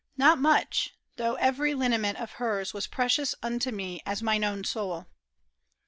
Not much, though every lineament of hers Was precious unto me as mine own soul.